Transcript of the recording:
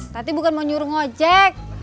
tapi bukan mau nyuruh ngojek